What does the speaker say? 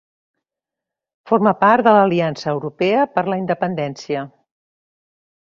Forma part de l'Aliança Europea per la Independència.